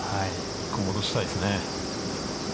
戻したいですね。